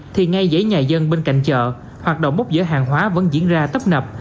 thì ngay dãy nhà dân bên cạnh chợ hoạt động bốc giữa hàng hóa vẫn diễn ra tấp nập